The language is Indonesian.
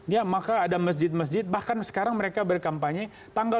ya maka ada masjid masjid bahkan sekarang mereka berkampanye tanggal dua puluh tujuh